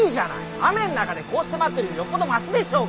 雨ん中でこうして待ってるよりよっぽどマシでしょうが！